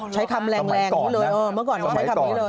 ใช้คำแรงอยู่เลยเมื่อก่อนใช้คำนี้เลยตมัยก่อน